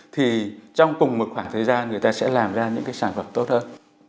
thì trong cùng một khoảng thời gian người ta sẽ làm ra những cái sản phẩm tốt hơn